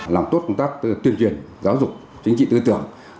làm tốt công tác tuyên truyền giáo dục chính trị tư tưởng